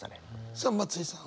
さあ松居さん。